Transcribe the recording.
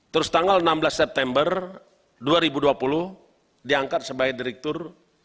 terus tanggal enam belas september dua ribu dua puluh diangkat sebagai direktur